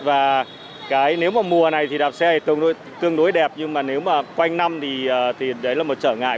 và nếu mà mùa này thì đạp xe thì tương đối đẹp nhưng mà nếu mà quanh năm thì đấy là một trở ngại